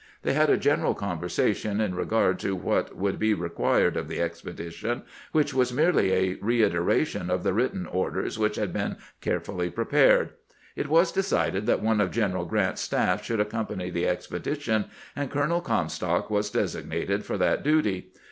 They had a general conversation in regard to what would be required of the expedition, which was merely a reiteration of the written orders which had been care fully prepared. It was decided that one of General Grant's staff should accompany the expedition, and Colo nel Comstock was designated for that duty.